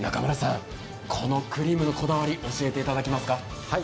このクリームのこだわり教えていただけますか？